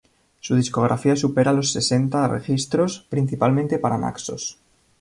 Su discografía supera los sesenta registros, principalmente para Naxos.